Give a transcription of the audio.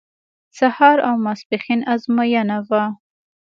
سهار او ماسپښین ازموینه وه.